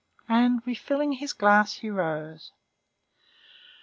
And, refilling his glass, he rose.